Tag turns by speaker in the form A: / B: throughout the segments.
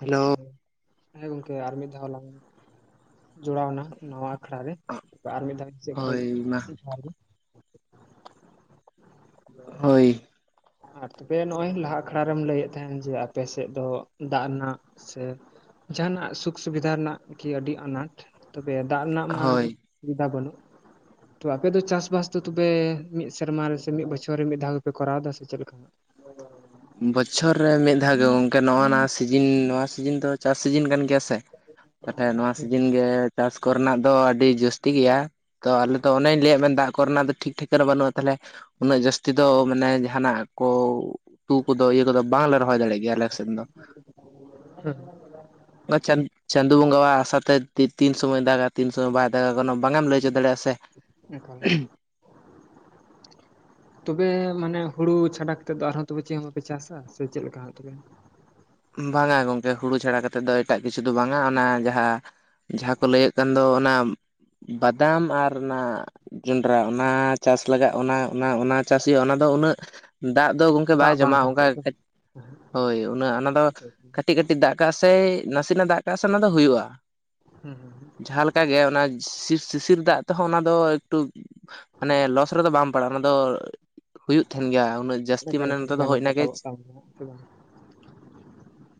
A: Hello
B: ᱦᱮᱸ ᱜᱚᱝᱠᱮ ᱟᱨ ᱢᱤᱫ ᱫᱷᱟᱣᱞᱟᱝ ᱡᱚᱲᱟᱣᱱᱟ ᱱᱟ ᱟᱠᱷᱲᱟ ᱨᱮ ᱟᱨ ᱢᱤᱫ ᱫᱷᱟᱣ ᱥᱮᱫ ᱠᱷᱚᱱ
A: ᱦᱳᱭ ᱢᱟ
B: ᱡᱚᱦᱟᱨ ᱜᱮ
A: ᱦᱳᱭ
B: [unintelligible] ᱟᱨ ᱛᱚᱵᱮ ᱱᱚᱜᱚᱭ ᱞᱟᱦᱟ ᱟᱠᱷᱲᱟᱮᱢ ᱞᱟᱹᱭᱮᱫ ᱛᱟᱦᱮᱸᱦᱱ ᱡᱮ ᱟᱯᱮᱥᱮᱫ ᱫᱚ ᱫᱟᱜ ᱨᱮᱱᱟᱜ ᱥᱮ ᱡᱟᱦᱦᱟᱱᱟᱜ ᱥᱩᱠ ᱥᱩᱵᱤᱫᱷᱟ ᱨᱮᱱᱟᱜ ᱠᱤ ᱟᱹᱰᱤ ᱟᱱᱟᱴ ᱛᱚᱵᱮ ᱫᱟᱜ ᱨᱮᱱᱟᱜ ᱢᱟ᱾
A: ᱦᱳᱭ
B: ᱥᱩᱵᱤᱫᱟ ᱵᱟᱹᱱᱩᱜ ᱛᱚ ᱟᱯᱮᱚ ᱪᱟᱥᱵᱟᱥ ᱫᱚ ᱛᱚᱵᱮ ᱢᱤᱫ ᱥᱮᱨᱢᱟ ᱨᱮ ᱥᱮ ᱢᱤᱫ ᱵᱚᱪᱷᱚᱨ ᱨᱮ ᱢᱤᱫᱷᱟᱣ ᱯᱮ ᱠᱚᱨᱟᱣ ᱮᱫᱟ ᱥᱮ ᱪᱮᱫ ᱞᱮᱠᱟ᱾
A: ᱵᱚᱪᱷᱚᱨ ᱨᱮ ᱢᱤᱫ ᱫᱷᱟᱣ ᱜᱮ ᱜᱚᱝᱠᱮ ᱱᱚᱜ ᱱᱚᱣᱟ ᱥᱤᱡᱤᱱ ᱱᱚᱣᱟ ᱥᱤᱡᱤᱱ ᱫᱚ ᱪᱟᱥ ᱥᱤᱡᱤᱱ ᱠᱟᱱ ᱜᱮᱭᱟ ᱥᱮ ᱛᱟᱦᱞᱮ ᱱᱚᱣᱟ ᱥᱤᱡᱤᱱ ᱜᱮ ᱪᱟᱥ ᱠᱚᱨᱮᱱᱟᱜ ᱫᱚ ᱟᱹᱰᱤ ᱡᱟᱹᱥᱛᱤ ᱜᱮᱭᱟ᱾ ᱛᱚ ᱟᱞᱮᱚ ᱚᱱᱮᱧ ᱞᱟᱹᱭᱟᱫ ᱢᱮ ᱫᱟᱜ ᱠᱚᱨᱮᱱᱟᱜ ᱫᱚ ᱴᱷᱤᱠ ᱴᱷᱟᱠᱨᱮ ᱵᱟᱹᱱᱩᱜᱼᱟ ᱛᱟᱦᱚᱞᱮ ᱩᱱᱟᱹᱜ ᱡᱟᱹᱥᱛᱤ ᱫᱚ ᱢᱟᱱᱮ ᱡᱟᱦᱟᱱᱟᱜ ᱠᱚ ᱛᱩ ᱠᱚᱫᱚ ᱤᱭᱟᱹ ᱠᱚᱫᱚ ᱵᱟᱝᱞᱮ ᱨᱚᱦᱚᱭ ᱫᱟᱲᱮᱜᱭᱟᱜ ᱜᱮᱭᱟ ᱟᱞᱠ ᱥᱮᱫ ᱫᱚ
B: ᱦᱮᱸ
A: ᱵᱟᱪᱟᱱ ᱪᱟᱱ ᱥᱩᱫᱩ ᱵᱚᱸᱜᱟᱟᱣ ᱟᱥᱟᱛᱮ ᱛᱤᱱ ᱥᱚᱢᱚᱭ ᱫᱟᱜᱟ ᱛᱤᱱ ᱥᱚᱢᱚᱭ ᱵᱟᱭ ᱫᱟᱜᱟ ᱠᱚᱱᱳ ᱵᱟᱝᱢ ᱞᱟᱹᱭ ᱦᱚᱪᱚ ᱫᱟᱲᱮᱭᱟᱜᱼᱟ ᱥᱮ᱾
B: ᱮᱠᱟᱞᱟ ᱛᱚᱵᱮ ᱢᱟᱱᱮ ᱦᱩᱲᱩ ᱪᱷᱟᱰᱟ ᱠᱟᱛᱮᱮᱫ ᱫᱚ ᱟᱨᱦᱚᱸ ᱪᱮᱫ ᱦᱚᱸ ᱵᱟᱯᱮ ᱪᱟᱥᱟ ᱥᱮ ᱪᱮᱫ ᱞᱮᱠᱟ ᱛᱮ
A: ᱵᱟᱝᱟ ᱜᱚᱢᱠᱮ ᱦᱩᱲᱩ ᱪᱷᱟᱲᱟ ᱠᱟᱛᱮᱮᱫ ᱫᱚ ᱮᱴᱟᱜ ᱠᱤᱪᱷᱩ ᱫᱚ ᱵᱟᱝᱟ ᱚᱱᱟ ᱡᱟᱦᱟᱸ᱾ ᱡᱟᱦᱟᱸ ᱠᱚ ᱞᱟᱹᱭᱮᱫ ᱠᱟᱱ ᱫᱚ ᱚᱱᱟ ᱵᱟᱫᱟᱢ ᱟᱨ ᱚᱱᱟ ᱡᱚᱸᱰᱨᱟ ᱚᱱᱟ ᱪᱟᱥ ᱞᱟᱜᱟᱜ ᱚᱱᱟ ᱚᱱᱟ ᱪᱟᱥ ᱦᱩᱭᱩᱜᱼᱟ ᱚᱱᱟ ᱫᱚ ᱩᱱᱟᱹᱜ ᱫᱟᱜ ᱫᱚ ᱜᱚᱝᱠᱮ ᱵᱟᱭ
B: ᱫᱟᱜ ᱵᱟᱝ
A: ᱡᱚᱢᱟ ᱚᱱᱠᱟ
B: ᱠᱷᱟᱨᱪᱟᱜ ᱥᱮ
A: ᱦᱳᱭ ᱩᱱᱟᱹᱜ ᱚᱱᱟ ᱫᱚ
B: ᱦᱮᱸ
A: ᱠᱟᱹᱴᱤᱡ ᱠᱟᱹᱴᱤᱡ ᱠᱟᱹᱴᱤᱡ ᱫᱟᱜ ᱠᱟᱜ ᱥᱮ ᱱᱟᱥᱮᱱᱟᱜ ᱫᱟᱜ ᱠᱟᱜᱼᱟ ᱥᱮ ᱚᱱᱟ ᱫᱚ ᱦᱩᱭᱩᱜᱼᱟ᱾
B: ᱦᱮᱸ ᱦᱩᱸ ᱦᱸ
A: ᱚᱱᱠ ᱜᱮ ᱚᱱᱟ ᱥᱤᱥᱤᱨ ᱫᱟᱜ ᱛᱮᱦᱚᱸ ᱚᱱᱟ ᱫᱚ ᱮᱠᱴᱩ ᱢᱟᱱᱮ ᱞᱚᱥ ᱨᱮᱫᱚ ᱵᱟᱢ ᱯᱟᱲᱟᱜᱼᱟ ᱚᱱᱟ ᱫᱚ ᱦᱩᱭᱩᱜ ᱛᱟᱦᱮᱱ ᱜᱮᱭᱟ ᱩᱱᱟᱹᱜ ᱡᱟᱹᱥᱛᱤ
B: ᱚᱠᱟ
A: ᱢᱟᱱᱮ
B: ᱞᱮᱠᱟ
A: ᱱᱚᱛᱮ ᱫᱚ
B: ᱡᱟᱱᱟᱢ
A: ᱦᱮᱡ ᱮᱱᱟᱱᱟᱜᱮ
B: ᱨᱟᱠᱟᱵᱚᱜ ᱠᱟᱱ ᱛᱟᱦᱮᱸ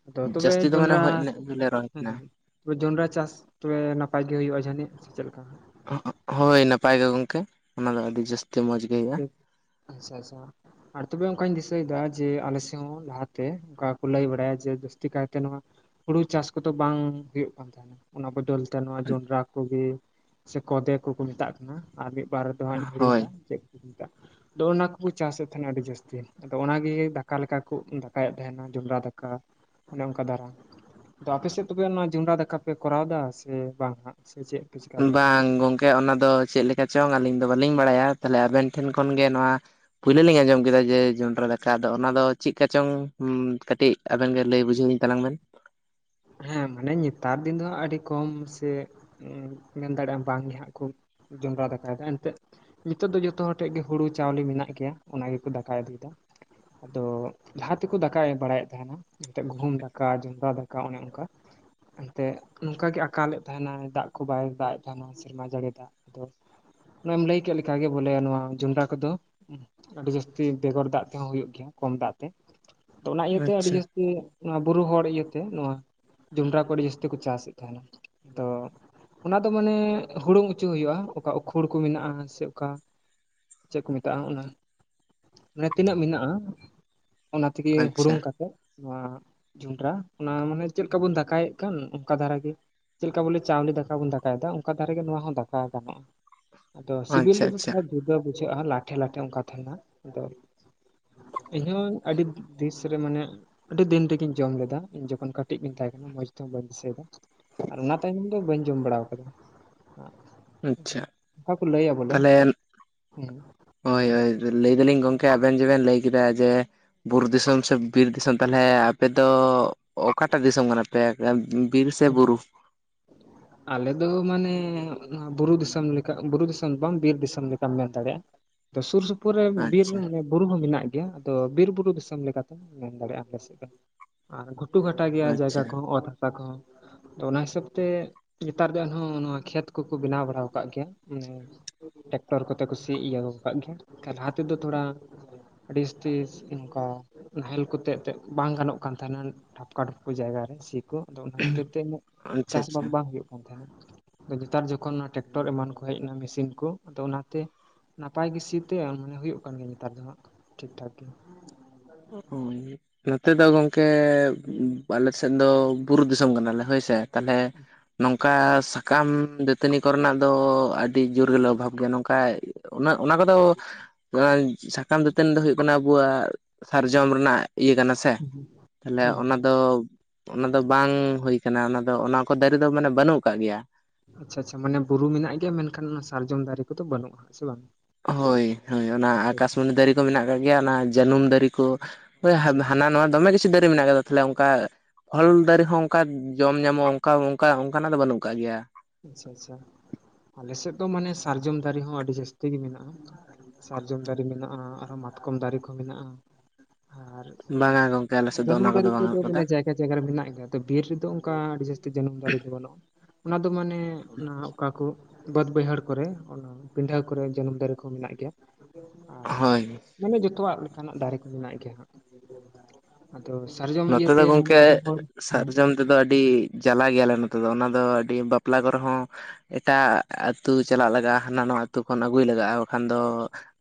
B: ᱟᱫᱚ ᱛᱚᱵᱮ
A: ᱡᱟᱹᱥᱛᱤ ᱫᱚ ᱢᱟᱱᱮ
B: ᱡᱚᱸᱰᱨᱟ
A: ᱦᱳᱭ ᱤᱱᱟᱹᱜ ᱜᱮᱞᱮ ᱨᱚᱦᱚᱭ
B: ᱦᱮᱸ
A: ᱛᱟᱦᱮᱱᱟ
B: ᱛᱚᱵᱮ ᱡᱚᱱᱰᱨᱟ ᱪᱟᱥ ᱛᱚᱵᱮ ᱱᱟᱯᱟᱭ ᱜᱮ ᱦᱩᱭᱩᱜᱼᱟ ᱡᱟᱹᱱᱤᱡ ᱥᱮ ᱪᱮᱫ ᱞᱮᱠᱟᱹ
A: ᱦᱚᱭ ᱱᱟᱯᱟᱭ ᱜᱮ ᱜᱚᱝᱠᱮ ᱚᱱᱟ ᱫᱚ ᱟᱹᱰᱤ ᱡᱟᱹᱥᱛᱤ ᱢᱚᱸᱡᱽ ᱜᱮ ᱦᱩᱭᱩᱜᱼᱟ
B: ᱟᱪᱷᱟ ᱟᱪᱷᱟ ᱟᱨ ᱛᱚᱵᱮ ᱚᱱᱠᱟᱧ ᱫᱤᱥᱟᱹᱭᱮᱫᱟ ᱡᱮ ᱟᱞᱮ ᱥᱮᱫ ᱦᱚᱸ ᱞᱟᱦᱟᱛᱮ ᱚᱱᱠᱟ ᱠᱚ ᱞᱟᱹᱭ ᱵᱟᱲᱟᱭᱟ ᱡᱮ ᱡᱟᱹᱥᱛᱤ ᱠᱟᱭᱛᱮ ᱱᱚᱣᱟ ᱦᱩᱲᱩ ᱪᱟᱥ ᱠᱚᱫᱚ ᱵᱟᱝ ᱦᱩᱭᱩᱜ ᱠᱟᱱ ᱛᱟᱦᱮᱱᱟ ᱚᱱᱟ ᱵᱚᱫᱚᱞ ᱛᱮ ᱱᱚᱣᱟ ᱡᱚᱱᱰᱨᱟ ᱠᱚᱜᱮ ᱥᱮ ᱠᱚᱫᱮ ᱠᱚᱠᱚ ᱢᱮᱛᱟᱜ ᱠᱟᱱᱟ ᱟᱨ ᱢᱤᱫ ᱵᱟᱨᱫᱚ ᱦᱟᱸᱜ ᱤᱧ ᱦᱤᱲᱤᱧ
A: ᱦᱳᱭ
B: ᱮᱫᱟᱮᱫ ᱫᱲᱱᱟᱠ ᱵᱩ ᱪᱟᱥ ᱟᱛ ᱱᱟ ᱟᱹᱰᱤ ᱡᱟᱹᱥᱛᱤ ᱟᱫᱚ ᱚᱱᱟᱜᱮ ᱫᱟᱠᱟ ᱞᱮᱠᱟ ᱠᱚ ᱫᱟᱠᱟᱭᱮᱫ ᱛᱟᱦᱮᱱᱟ ᱡᱚᱢᱨᱟ ᱫᱟᱠᱟ ᱚᱱᱮ ᱚᱱᱠᱟ ᱫᱟᱨᱟ ᱟᱫᱚ ᱟᱯᱮᱥᱮᱫ ᱛᱚᱵᱮ ᱚᱱᱟ ᱡᱚᱢᱨᱟ ᱫᱟᱠᱟ ᱯᱮ ᱠᱚᱨᱟᱣ ᱮᱟ ᱥᱮ ᱵᱟᱝ ᱦᱟᱜ ᱥᱮ ᱪᱮᱫ? ᱯᱮ ᱪᱤᱠᱟ ᱵᱟᱲᱟᱭᱮᱫᱟ?
A: ᱵᱟᱝ ᱜᱚᱝᱠᱮ ᱚᱱᱟ ᱫᱚ ᱪᱮᱫ ᱞᱮᱠᱟ ᱪᱚᱝ ᱟᱹᱞᱤᱧ ᱫᱚ ᱵᱟᱹᱞᱤᱧ ᱵᱟᱲᱟᱭᱟ ᱛᱟᱦᱞᱮ ᱟᱵᱮᱱ ᱴᱷᱮᱱ ᱠᱷᱚᱱᱜᱮ ᱱᱚᱣᱟ ᱯᱩᱭᱞᱩ ᱞᱤᱧ ᱟᱸᱡᱚᱢ ᱠᱮᱫᱟ ᱡᱮ ᱡᱚᱱᱰᱨᱟ ᱫᱟᱠᱟ ᱟᱫᱚ ᱚᱱᱟ ᱫᱚ ᱪᱮᱫ ᱠᱟ ᱪᱚᱝ ᱠᱟᱹᱴᱤᱡ ᱟᱵᱮᱱ ᱜᱮ ᱞᱟᱹᱭ ᱵᱩᱡᱷᱟᱹᱣᱤᱧ ᱛᱟᱝ ᱵᱮᱱ
B: ᱦᱮᱸ ᱢᱟᱱᱮ ᱱᱮᱛᱟᱨ ᱫᱤᱱ ᱫᱚ ᱟᱹᱰᱤ ᱠᱚᱢ ᱥᱮ ᱢᱮᱱ ᱫᱟᱲᱮᱭᱟᱜᱼᱟᱢ ᱵᱟᱝᱜᱮ ᱦᱟᱸᱜ ᱠᱚ ᱡᱚᱸᱰᱨᱟ ᱫᱟᱠᱟᱭᱮᱫᱟ ᱮᱱᱛᱜ ᱱᱤᱛᱚᱜ ᱫᱚ ᱡᱚᱛᱚ ᱦᱚᱲ ᱴᱷᱮᱱ ᱜᱮ ᱦᱩᱲᱩ ᱪᱟᱣᱞᱮ ᱢᱮᱱᱟᱜ ᱜᱮᱭᱟ ᱚᱱᱟ ᱜᱮᱠᱚ ᱫᱟᱠᱟᱭ ᱤᱫᱤᱭᱮᱫᱟ ᱟᱫᱚ ᱡᱟᱦᱟᱸᱛᱮᱠᱚ ᱫᱟᱠᱟᱭ ᱵᱟᱲᱟᱭᱮᱫ ᱛᱟᱦᱮᱱᱟ ᱮᱱᱛ ᱜᱩᱦᱩᱢ ᱫᱟᱠᱟ ᱡᱚᱸᱰᱨᱟ ᱫᱟᱠᱟ ᱜᱚᱱ ᱚᱱᱠᱟ ᱮᱱᱛᱮᱫ ᱱᱚᱝᱠᱟ ᱜᱮ ᱟᱠᱟᱞᱮᱫ ᱛᱟᱦᱮᱱᱟ ᱫᱟᱜ ᱠᱚ ᱵᱟᱭ ᱫᱟᱜ ᱮᱫ ᱛᱟᱦᱮᱱᱟ ᱥᱮᱨᱢᱟ ᱡᱟᱹᱲᱤ ᱫᱟᱜ ᱟᱫᱚ ᱚᱱᱟᱮᱢ ᱞᱟᱹᱭ ᱠᱮᱫ ᱞᱮ ᱞᱮᱠᱟᱟᱜᱮ ᱵᱚᱞᱮ ᱱᱚᱣᱟ ᱡᱚᱰᱨᱟ ᱠᱚᱫᱚ ᱟᱹᱰᱤ ᱡᱟᱹᱥᱛᱤ ᱵᱮᱜᱚᱨ ᱫᱟᱜ ᱛᱮᱦᱚᱸ ᱦᱩᱭᱩᱜᱭᱳ ᱜᱮᱭᱟ ᱠᱚᱢ ᱫᱟᱜ ᱛᱮ ᱛᱚ ᱚᱱᱟ ᱤᱭᱟᱹᱛᱮ ᱟᱹᱰᱤ
A: ᱟᱪᱪᱷᱟ
B: ᱡᱟᱹᱥᱛᱤ ᱚᱱᱟ ᱵᱩᱨᱩ ᱦᱚᱲ ᱤᱭᱟᱹ ᱛᱮ ᱱᱚᱣᱟ ᱡᱚᱸᱰᱨᱟ ᱠᱚ ᱟᱹᱰᱤ ᱡᱟᱹᱥᱛᱤ ᱠᱚ ᱪᱟᱥᱮᱫ ᱛᱟᱦᱮᱱᱟ ᱛᱚ ᱚᱱᱟ ᱫᱚ ᱢᱟᱱᱮ ᱦᱩᱲᱩᱝ ᱚᱪᱚ ᱦᱩᱭᱩᱜᱼᱟ ᱚᱠᱟ ᱩᱠᱷᱳᱲ ᱠᱚ ᱢᱮᱱᱟᱜᱼᱟ ᱥᱮ ᱚᱠᱟ ᱪᱮᱫ ᱠᱚ ᱢᱮᱛᱟᱜᱼᱟ ᱚᱱᱟ ᱢᱟᱱᱮ ᱛᱤᱱᱟᱹᱜ ᱢᱮᱱᱟᱜᱼᱟ ᱚᱱᱟ ᱛᱮᱜᱮ
A: ᱟᱪᱪᱷᱟ
B: ᱦᱩᱲᱩᱝ ᱠᱟ ᱠᱟᱛᱮᱜ ᱱᱚᱣᱟ ᱡᱚᱸᱰᱨᱟ ᱚᱱᱟ ᱢᱟᱱᱮ ᱪᱮᱫ ᱞᱮᱠᱟ ᱵᱚᱱ ᱫᱟᱠᱟᱭᱮᱫ ᱠᱟᱱ ᱚᱱᱠᱟ ᱫᱷᱟᱨᱟ ᱜᱮ ᱪᱮᱫ ᱞᱮᱠᱟ ᱵᱚᱞᱮ ᱪᱟᱣᱞᱮ ᱫᱟᱠᱟ ᱵᱚᱱ ᱫᱟᱠᱟᱭᱮᱫᱟ ᱚᱱᱠᱟ ᱫᱷᱟᱨᱮᱜ ᱜᱮ ᱱᱚᱣᱟ ᱦᱚᱸ ᱫᱟᱠᱟ ᱜᱟᱱᱚᱜᱼᱟ ᱟᱫᱚ ᱥᱤᱵᱤᱞ
A: ᱟᱪᱪᱷᱟ
B: ᱨᱮᱫᱚ
A: ᱟᱪᱪᱷᱟ
B: ᱛᱷᱚᱲᱟ ᱡᱩᱫᱟᱹ ᱵᱩᱡᱷᱟᱹᱜᱼᱟ ᱞᱟᱴᱷᱮᱼ ᱞᱟᱴᱷᱮ ᱚᱱᱠᱟ ᱛᱟᱦᱮᱱᱟᱹ ᱟᱫᱚ ᱤᱧᱦᱚᱸ ᱟᱹᱰᱤ ᱫᱤᱥ ᱨᱮ ᱢᱟᱱᱮ ᱟᱹᱰᱤ ᱫᱤᱱ ᱨᱮᱜᱤᱧ ᱡᱚᱢ ᱞᱮᱫᱟ ᱤᱧ ᱡᱚᱠᱷᱚᱱ ᱠᱟᱹᱴᱤᱡ ᱜᱤᱧ ᱛᱟᱦᱮᱸ ᱠᱟᱱᱟ ᱢᱚᱸᱡᱽ ᱛᱮᱦᱚᱸ ᱵᱟᱹᱧ ᱫᱤᱥᱟᱹᱭᱮᱫᱟ ᱟᱨ ᱚᱱᱟ ᱛᱟᱭᱱᱚᱢ ᱫᱚ ᱵᱟᱹᱧ ᱡᱚᱢ ᱵᱟᱲᱟ ᱠᱟᱫᱟ
A: ᱟᱪᱪᱷᱟ
B: [unintelligible] ᱞᱟᱹᱭ ᱭᱟᱵᱚᱞᱮ ᱦᱮᱸ
A: ᱦᱚᱭ ᱦᱚᱭ ᱞᱟᱹᱭ ᱫᱟᱞᱤᱧ ᱜᱚᱢᱠᱮ ᱟᱵᱮᱱ ᱡᱮᱵᱮᱱ ᱞᱟᱹᱭ ᱠᱮᱫᱟ ᱡᱮ ᱵᱩᱨᱩ ᱫᱤᱥᱚᱢ ᱥᱮ ᱵᱤᱨ ᱫᱤᱥᱚᱢ ᱛᱟᱦᱚᱞᱮ ᱟᱯᱮ ᱫᱚ ᱚᱠᱟᱴᱟᱜ ᱫᱤᱥᱚᱢ ᱠᱟᱱᱟ ᱯᱮ? ᱯᱮ ᱵᱤᱨ ᱥᱮ ᱵᱩᱨᱩ?
B: ᱦ ᱟᱞᱮ ᱫᱚ ᱢᱟᱱᱮ ᱵᱩᱨᱩ ᱫᱤᱥᱚᱢ ᱞᱮᱠᱟ ᱵᱩᱨᱩ ᱫᱤᱥᱚᱢ ᱵᱟᱝ ᱵᱤᱨ ᱫᱤᱥᱚᱢ ᱞᱮᱠᱟᱢ ᱢᱮᱱ ᱫᱟᱲᱮᱭᱟᱜᱼᱟ ᱥᱩᱨ ᱥᱩᱯᱩᱨ ᱨᱮ ᱵᱤᱨ
A: ᱟᱪᱪᱷᱟ
B: ᱦᱚ ᱵᱩᱨᱩ ᱦᱚᱸ ᱢᱮᱱᱟᱜ ᱜᱮᱭᱟ ᱟᱫᱚ ᱵᱤᱨ ᱵᱩᱨᱩ ᱫᱤᱥᱚᱢ ᱞᱮᱠᱟᱛᱮᱢᱚᱱ ᱢᱮᱱ ᱫᱟᱲᱮᱭᱟᱜᱼᱟ ᱟᱞᱮ ᱥᱮᱫ ᱫᱚ ᱟᱨ ᱜᱷᱩᱴᱩ ᱜᱷᱟᱴᱟ ᱜᱮᱭᱟ
A: ᱟᱪᱪᱷᱟ
B: ᱡᱟᱭᱜᱟ ᱠᱚ ᱚᱛ ᱦᱟᱥᱟ ᱠᱚᱸ ᱟᱫᱚ ᱚᱱᱟ ᱦᱤᱥᱟᱹᱵ ᱛᱮ ᱱᱮᱛᱟᱨ ᱫᱚ ᱮᱱᱦᱚᱸ ᱱᱚᱣᱟ ᱠᱷᱮᱛ ᱠᱚᱠᱚ ᱵᱮᱱᱟᱣ ᱵᱟᱲᱟᱣ ᱠᱟᱜ ᱜᱮᱭᱟ ᱢᱟᱱᱮ ᱴᱨᱟᱠᱴᱚᱨ ᱠᱚᱛᱮ ᱠᱩ ᱥᱤᱭᱮᱫᱟ ᱠᱟᱜ ᱜᱮᱭᱟ ᱞᱟᱦᱟ ᱛᱮᱫᱚ ᱛᱷᱚᱲᱟ ᱰᱤᱥᱠᱤᱥ ᱤᱱᱠᱟ ᱱᱟᱦᱮᱞ ᱠᱚᱛᱮ ᱮᱱᱮᱫ ᱵᱟᱝ ᱜᱟᱱᱚᱜ ᱠᱟᱱ ᱛᱟᱦᱮᱱᱟ ᱰᱷᱟᱯᱠᱟ ᱰᱷᱟᱯ ᱡᱟᱭᱜᱟᱮ ᱥᱤ ᱠᱚ ᱟ ᱠᱷᱟᱹᱛᱤᱨ ᱛᱮ ᱩᱱᱟᱹᱜ
A: ᱟᱪᱪᱷᱟ
B: ᱪᱟᱥ ᱵᱟᱟᱥ
A: ᱟᱪᱪᱷᱟ
B: ᱵᱟᱝ ᱦᱩᱭᱩᱜᱼᱟ ᱱᱟ ᱱᱮᱛᱟᱨ ᱡᱚᱠᱷᱚᱱ ᱚᱱᱟ ᱴᱨᱟᱠᱴᱚᱨ ᱮᱢᱟᱱ ᱠᱚ ᱦᱮᱡ ᱮᱱᱟ ᱢᱮᱥᱤᱱ ᱠᱚ ᱟᱫᱚ ᱚᱱᱟᱛᱮ ᱱᱟᱯᱟᱭ ᱜᱮ ᱥᱤ ᱛᱮ ᱢᱟᱱᱮ ᱦᱩᱭᱩᱜᱭ ᱠᱟᱱ ᱜᱮ ᱱᱮᱛᱟᱨ ᱫᱚ ᱦᱟᱜ ᱴᱷᱤᱠ ᱴᱷᱟᱠ ᱜᱮ᱾
A: ᱦᱳᱭ ᱱᱚᱛᱮ ᱫᱚ ᱜᱚᱢᱠᱮ ᱟᱞᱮ ᱥᱮᱫ ᱫᱚ ᱵᱩᱨᱩ ᱫᱤᱥᱚᱢ ᱠᱟᱱᱟᱞᱮ ᱦᱳᱭᱥᱮ, ᱛᱟᱦᱞᱮ ᱱᱚᱝᱠᱟ ᱥᱟᱠᱟᱢ ᱫᱟᱹᱛᱟᱹᱱᱤ ᱠᱚᱨᱮᱱᱟᱜ ᱫᱚ ᱟᱹᱰᱤ ᱡᱳᱨᱜᱮᱞᱮ ᱚᱵᱷᱟᱵ ᱜᱮᱭᱟ᱾ ᱱᱚᱝᱠᱟ ᱚᱱᱟ ᱠᱚᱫᱚ ᱥᱟᱠᱟᱢ ᱫᱟᱹᱛᱟᱹᱱ ᱫᱚ ᱦᱩᱭᱩᱜ ᱠᱟᱱᱟ ᱟᱵᱚᱣᱟᱜ ᱥᱟᱨᱡᱚᱢ ᱨᱮᱱᱟᱜ ᱤᱭᱟᱹ ᱠᱟᱱᱟ ᱥᱮ,
B: ᱦᱮᱸ
A: ᱛᱟᱦᱞᱮ
B: ᱦᱮᱸ
A: ᱚᱱᱟ ᱫᱚ ᱚᱱᱟ ᱫᱚ ᱵᱟᱝ ᱦᱩᱭ ᱠᱟᱱᱟ ᱚᱱᱟ ᱫᱚ ᱚᱱᱟ ᱠᱚ ᱫᱟᱨᱮ ᱫᱚ ᱢᱟᱱᱮ ᱵᱟᱹᱱᱩᱜ ᱟᱠᱟᱫ ᱜᱮᱭᱟ᱾
B: ᱟᱪᱷᱟ ᱟᱪᱷᱟ ᱢᱟᱱᱮ ᱵᱩᱨᱩ ᱢᱮᱱᱟᱜ ᱜᱮᱭᱟ ᱢᱮᱱᱠᱷᱟᱱ ᱚᱱᱟ ᱥᱟᱨᱡᱚᱢ ᱫᱟᱨᱮ ᱠᱚᱫᱚ ᱵᱟᱹᱱᱩᱜᱼᱟ ᱦ ᱥᱮ ᱵᱟᱝ?
A: ᱦᱳᱭ ᱦᱳᱭ ᱚᱱᱟ
B: ᱟᱪᱪᱷᱟ
A: ᱟᱠᱟᱥᱢᱚᱱᱤ ᱫᱟᱨᱮ ᱠᱚ ᱢᱮᱱᱟᱜ ᱠᱟᱜ ᱜᱮᱭᱟ ᱚᱱᱟ ᱡᱟᱹᱱᱩᱢ ᱫᱟᱨᱮ ᱠᱚ᱾ ᱦᱳᱭ
B: ᱟᱪᱪᱷᱟ
A: ᱦᱟᱱᱟ ᱱᱚᱣᱟ ᱫᱚᱢᱮ ᱠᱤᱪᱷᱩ ᱫᱟᱨᱮ ᱢᱮᱱᱟᱜ ᱠᱟᱫᱟ ᱛᱟᱦᱞᱮ ᱚᱱᱠᱟ ᱯᱷᱚᱞ ᱫᱟᱨᱮ ᱦᱚᱸ ᱚᱱᱠᱟ ᱡᱚᱢ ᱧᱟᱢᱚᱜᱼᱟ ᱚᱱᱠᱟ ᱚᱱᱠᱟ ᱚᱱᱠᱟᱱᱟᱜ ᱫᱚ ᱵᱟᱹᱱᱩᱜ ᱟᱠᱟᱟᱜ ᱜᱮᱭᱟ᱾
B: ᱟᱪᱪᱷᱟ ᱟᱪᱪᱷᱟ, ᱟᱞᱮᱥᱮᱫ ᱫᱚ ᱢᱟᱱᱮ ᱥᱟᱨᱡᱚᱢ ᱫᱟᱨᱮ ᱦᱚᱸ ᱟᱹᱰᱤ ᱡᱟᱹᱥᱛᱤ ᱜᱮ ᱢᱮᱱᱟᱜᱼᱟ᱾ ᱥᱟᱨᱡᱚᱢ ᱫᱟᱨᱮ ᱢᱮᱱᱟᱜᱼᱟ ᱟᱨᱚᱸ ᱢᱟᱛᱠᱚᱢ ᱫᱟᱨᱮ ᱠᱚ ᱢᱮᱱᱟᱜᱼᱟ᱾ ᱟᱨ
A: ᱵᱟᱝᱟ ᱜᱚᱝᱠᱮ ᱟᱞᱮ ᱥᱮᱫ ᱫᱚ
B: ᱡᱟᱱᱩᱢ
A: ᱚᱱᱟ
B: ᱫᱟᱨᱤ
A: ᱵᱟᱝ
B: ᱠᱚᱫᱚ
A: ᱟᱠᱟᱫᱟ
B: ᱢᱟᱱᱮ ᱡᱮ ᱚᱠᱟ ᱡᱟᱭᱜᱟ ᱨᱮ ᱢᱮᱱᱟᱜ ᱜᱮᱭᱟ, ᱛᱚ ᱵᱤᱨ ᱨᱮᱫᱚ ᱚᱱᱠᱟ ᱟᱹᱰᱤ ᱡᱟᱹᱥᱛᱤ ᱡᱚᱱᱚᱢ ᱫᱟᱨᱮ ᱫᱚ ᱵᱟᱹᱱᱩᱜᱼᱟ᱾ ᱟ ᱫᱚ ᱢᱟᱱᱮ ᱚᱱᱟ ᱚᱠᱟ ᱠᱚ ᱵᱟᱹᱫ ᱵᱟᱹᱭᱦᱟᱹᱲ ᱠᱚᱨᱮ ᱚᱱᱟ ᱯᱤᱰᱷᱟᱹ ᱠᱚᱨᱮ ᱡᱟᱱᱩᱢ ᱫᱟᱨᱮ ᱠᱚ ᱢᱮᱱᱟᱜ ᱜᱮᱭᱟ᱾ ᱟᱨ
A: ᱦᱳᱭ
B: ᱢᱟᱱᱮ ᱡᱚᱛᱚᱣᱟᱜ ᱞᱮᱠᱟᱱᱟᱜ ᱫᱟᱨᱮ ᱠᱚ ᱢᱮᱱᱟᱜ ᱜᱮᱭᱟ ᱦᱟᱸᱜᱺ ᱟ ᱥᱟᱨᱡᱚᱢ
A: ᱱᱚᱛᱮ ᱫᱚ ᱜᱚᱢᱠᱮ
B: ᱦᱚᱲ ᱦᱮᱸ
A: ᱥᱟᱨᱡᱚᱢ ᱛᱮᱫᱚ ᱟᱹᱰᱤ ᱡᱟᱞᱟ ᱜᱮᱭᱟᱞᱮ ᱱᱚᱛᱮ ᱫᱚ ᱚᱱᱟ ᱫᱚ ᱟᱹᱰᱤ ᱵᱟᱯᱞᱟ ᱠᱚᱨᱮ ᱦᱚᱸ᱾ ᱮᱴᱟᱜ ᱟᱹᱛᱩ ᱪᱟᱞᱟᱜ ᱞᱟᱜᱟᱜᱼᱟ, ᱦᱟᱱᱟ ᱱᱚᱣᱟ ᱟᱹᱛᱩ ᱠᱷ, ᱚᱱ ᱟᱹᱜᱩᱭ ᱞᱟᱜᱟᱜᱼᱟ᱾ ᱵᱟᱠᱷᱟᱱ ᱫᱚ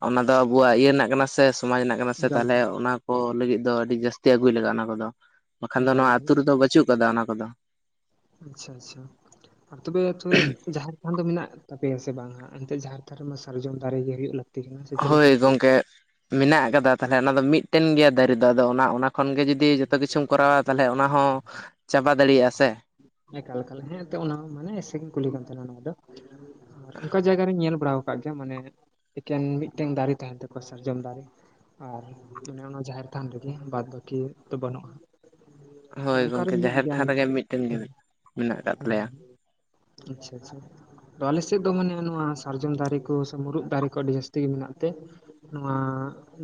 A: ᱚᱱᱟ ᱫᱚ ᱟᱵᱚᱣᱟᱜ ᱤᱭᱟᱹ ᱨᱮᱱᱟᱜ ᱠᱟᱱᱟ ᱥᱮ ᱥᱚᱢᱟᱡ ᱨᱮᱱᱟᱜ ᱠᱟᱱᱟ ᱥᱮ
B: ᱮᱠᱟᱞ
A: ᱛᱟᱦᱚᱞᱮ ᱚᱱᱟ ᱠᱚ ᱞᱟᱹᱜᱤᱫ ᱫᱚ ᱟᱹᱰᱤ ᱡᱟᱹᱥᱛᱤ ᱟᱹᱜᱩᱭ ᱞᱟᱜᱟᱜᱼᱟ ᱚᱱᱟ ᱠᱚᱫᱚ, ᱵᱟᱠᱷᱟᱱ ᱫᱚ
B: ᱚᱱᱠᱟ
A: ᱱᱚᱣᱟ
B: ᱞᱮᱠᱟ
A: ᱟᱹᱛᱩ ᱨᱮᱫᱚ ᱵᱟᱹᱪᱩᱜ ᱟᱠᱟᱫᱟ ᱚᱱᱟ ᱠᱚᱫᱚ᱾
B: ᱟᱪᱷᱟ ᱟᱪᱷᱟ ᱟᱨ ᱛᱚᱵᱮ ᱛᱮ ᱡᱟ ᱠᱷᱟᱱ ᱫᱚ ᱢᱮᱱᱟᱜ ᱛᱟᱯᱮᱭᱟ ᱥᱮ ᱵᱟᱝ? ᱮᱱᱛᱮ ᱡᱟᱦᱮᱨ ᱛᱷᱟᱱ ᱨᱮ ᱢᱟ ᱥᱟᱨᱡᱚᱢ ᱫᱟᱨᱮ ᱜᱮ ᱦᱳᱭᱚᱜ ᱞᱟᱠᱛᱤ᱾
A: ᱦᱳᱭ ᱜᱚᱝᱠᱮ ᱢᱮᱱᱟᱜ ᱟᱠᱟᱫᱟ ᱛᱟᱦᱚᱞᱮ ᱚᱱᱟ ᱫᱚ ᱢᱤᱫ ᱛᱟᱦᱮᱱ ᱜᱮᱭᱟ ᱫᱟᱨᱮ ᱫᱚ ᱟᱫᱚ ᱚᱱᱟ ᱠᱷᱚᱱ ᱜᱮ ᱡᱩᱫᱤ ᱡᱚᱛᱚ ᱠᱤᱪᱷᱩᱢ ᱠᱚᱨᱟᱣᱟ ᱛᱟᱦᱚᱞᱮ ᱚᱱᱟ ᱦᱚᱸ ᱪᱟᱵᱟ ᱫ ᱫᱟᱲᱮᱭᱟᱜᱼᱟ ᱥᱮ
B: ᱮᱠᱟᱞ ᱮᱠᱟᱞ ᱦᱮᱸᱛᱚ ᱚᱱᱟ ᱢᱟᱱᱮ ᱮᱥᱮ ᱠᱚ ᱠᱩᱞᱤ ᱠᱟᱱ ᱛᱟᱦᱮᱱᱟ ᱱᱚᱣᱟ ᱫᱚ᱾ ᱟᱨ ᱚᱱᱠᱟ ᱡᱟᱭᱜᱟ ᱨᱤᱧ ᱧᱮᱞ ᱵᱟᱲᱟ ᱟᱠᱟᱫ ᱜᱮᱭᱟ ᱢᱟᱱᱮ ᱮᱠᱮᱱ ᱢᱤᱫᱴᱮᱱ ᱫᱟᱨᱮ ᱛᱟᱦᱮᱱ ᱛᱟᱠᱚᱣᱟ ᱥᱟᱨᱡᱚᱢ ᱫᱟᱨᱮ᱾ ᱟᱨ ᱚᱱᱮ ᱚᱱᱟ ᱡᱟᱦᱮᱨ ᱛᱷᱟᱱ ᱨᱮᱜᱮ ᱵᱟᱫᱽ ᱵᱟᱹᱠᱤ ᱫᱚ ᱵᱟᱹᱱᱩᱜᱼᱟ᱾
A: ᱦᱳᱭ
B: ᱱᱚᱝᱠᱟ ᱨᱮ
A: ᱜᱚᱝᱠᱮ
B: ᱢᱮᱱᱟᱜ
A: ᱡᱟᱦᱮᱨ ᱛᱷᱟᱱ
B: ᱜᱮᱭᱟᱢᱟ
A: ᱨᱮᱜᱮ ᱢᱤᱫᱴᱮᱱ ᱜᱮ ᱢᱮᱱᱟᱜ ᱟᱠᱟᱫ
B: ᱦᱮᱸ
A: ᱛᱟᱞᱮᱭᱟ
B: ᱟᱪᱷᱟ ᱟᱪᱷᱟ ᱟᱫᱚ ᱟᱞᱮ ᱥᱮᱫ ᱫᱚ ᱢᱟᱱᱮ ᱱᱚᱣᱟ ᱥᱟᱨᱡᱚᱢ ᱫᱟᱨᱮ ᱠᱚ ᱥᱮ ᱢᱩᱨᱩᱫ ᱫᱟᱨᱮ ᱠᱚ ᱟᱹᱰᱤ ᱡᱟᱹᱥᱛᱤ ᱜᱮ ᱢᱮᱱᱟᱜ ᱛᱮ᱾ ᱱᱚᱣᱟ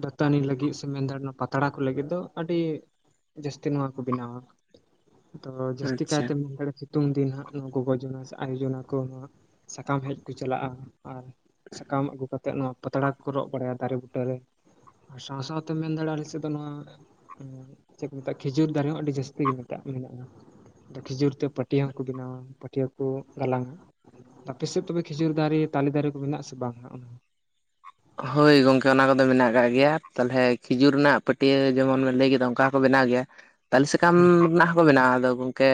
B: ᱫᱟᱹᱛᱟᱹᱱᱤ ᱞᱟᱹᱜᱤᱫ ᱥᱮ ᱢᱮᱱᱫᱚ ᱱᱚᱣᱟ ᱯᱟᱛᱲᱟ ᱠᱚ ᱞᱟᱹᱜᱤᱫ ᱫᱚ ᱟᱹᱰᱤ ᱡᱟᱹᱥᱛᱤ ᱱᱚᱣᱟ ᱠᱚ ᱵᱮᱱᱟᱣᱟ ᱛᱚ ᱡᱟᱹᱥᱛᱤ
A: ᱟᱪᱪᱷᱟ
B: ᱠᱟᱭᱛᱮ ᱥᱤᱛᱩᱝ ᱫᱤᱱ ᱦᱟᱸᱜ ᱱᱚᱣᱟ ᱜᱚᱜᱚ ᱡᱚᱱᱟ ᱥᱮ ᱟᱭᱳ ᱡᱚᱱᱟ ᱠᱚ ᱥᱟᱠᱟᱢ ᱦᱮᱡ ᱠᱚ ᱪᱟᱞᱟᱜᱼᱟ᱾ ᱟᱨ ᱥᱟᱠᱟᱢ ᱟᱹᱜᱩ ᱠᱟᱛᱮᱫ ᱱᱚᱣᱟ ᱯᱟᱛᱲᱟ ᱠᱚᱠᱚ ᱨᱚᱜ ᱵᱟᱲᱟᱭᱟ ᱫᱟᱨᱮ ᱵᱩᱴᱟᱹᱨᱮ᱾ ᱟᱨ ᱥᱟᱶ ᱥᱟᱶᱛᱮᱢ ᱢᱮᱱ ᱫᱟᱲᱮᱭᱟᱜᱼᱟ ᱟᱞᱮ ᱥᱮᱫ ᱫᱚ ᱱᱚᱣᱟ ᱪᱮᱫ ᱠᱚ ᱢᱮᱛᱟᱜᱼᱟ ᱠᱷᱮᱡᱩᱨ ᱫᱟᱨᱮ ᱦᱚᱸ ᱟᱹᱰᱤ ᱡᱟᱹᱥᱛᱤ ᱜᱮ ᱢᱮᱛᱟᱜ ᱢᱮᱱᱟᱜᱼᱟ᱾ ᱟᱫᱚ ᱠᱷᱤᱡᱩᱨ ᱛᱮ ᱯᱟᱹᱴᱭᱟᱹ ᱦᱚᱸᱠᱚ ᱵᱮᱱᱟᱣᱟ ᱯᱟᱹᱴᱭᱟᱹ ᱠᱚ ᱜᱟᱞᱟᱝᱼᱟ᱾ ᱟᱯᱮ ᱥᱮᱫ ᱛᱚᱵᱮ ᱠᱷᱤᱡᱩᱨ ᱫᱟᱨᱮ ᱛᱟᱞᱮ ᱫᱟᱨᱮ ᱠᱚ ᱢᱮᱱᱟᱜ ᱥᱮ ᱵᱟᱝ ᱚᱱᱟ?
A: ᱦᱳᱭ ᱜᱚᱝᱠᱮ ᱚᱱᱟ ᱠᱚᱫᱚ ᱢᱮᱱᱟᱜ ᱟᱠᱟᱟᱜ ᱜᱮᱭᱟ ᱛᱟᱦᱚᱞᱮ ᱠᱷᱤᱡᱩᱨ ᱨᱮᱱᱟᱜ ᱯᱟᱹᱴᱭᱟᱹ ᱡᱮᱢᱚᱱ ᱵᱮᱱ ᱞᱟᱹᱭ ᱠᱮᱫᱟ ᱚᱱᱠᱟ ᱠᱚ ᱵᱮᱱᱟᱣ ᱜᱮᱭᱟ ᱛᱟᱞᱮ ᱥᱟᱠᱟᱢ
B: ᱦᱮᱸ
A: ᱨᱮᱱᱟᱜ ᱦᱚᱸᱠᱚ ᱵᱮᱱᱟᱣᱟ ᱟᱫᱚ ᱠᱮ